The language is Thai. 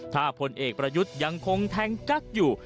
ถ้าพลเอกประยุทธ์ยังคงแทงกั๊กอยู่